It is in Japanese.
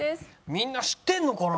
みんな知ってるのかな？